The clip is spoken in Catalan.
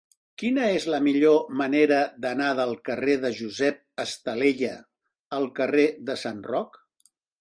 Quina és la millor manera d'anar del carrer de Josep Estalella al carrer de Sant Roc?